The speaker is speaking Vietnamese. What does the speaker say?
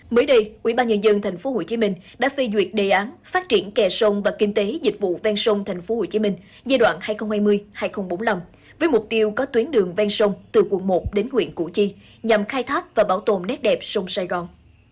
mới đây ủy ban nhân dân thành phố hồ chí minh đã phê duyệt đề án phát triển kè sông và kinh tế dịch vụ ven sông thành phố hồ chí minh giai đoạn hai nghìn hai mươi hai nghìn bốn mươi năm với mục tiêu có tuyến đường ven sông từ quận một đến huyện củ chi nhằm khai thác và bảo tồn nét đẹp sông sài gòn